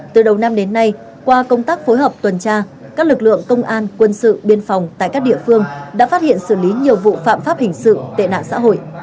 từ đầu năm đến nay qua công tác phối hợp tuần tra các lực lượng công an quân sự biên phòng tại các địa phương đã phát hiện xử lý nhiều vụ phạm pháp hình sự tệ nạn xã hội